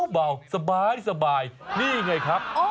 เบาสบายนี่ไงครับ